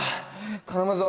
頼むぞ！